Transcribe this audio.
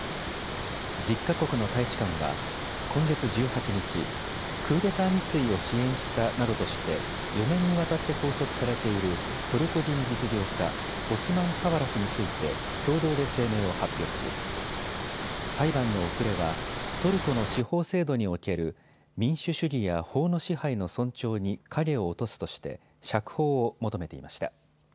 １０か国の大使館は今月１８日、クーデター未遂を支援したなどとして４年にわたって拘束されているトルコ人実業家、オスマン・カワラ氏について共同で声明を発表し、裁判の遅れはトルコの司法制度における民主主義や法の支配の尊重に影を落とすとして釈放を求めていました。